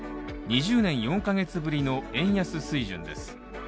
２０年４ヶ月ぶりの円安水準です。